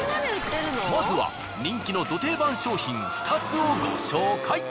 まずは人気のド定番商品２つをご紹介。